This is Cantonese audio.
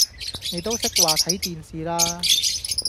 你都識話睇電視啦